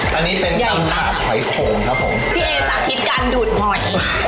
พี่เออิสาธิตกันดูดหอย